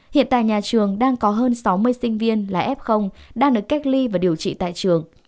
hiện tại nhà trường đang có hơn sáu mươi sinh viên là f đang được cách ly và điều trị tại trường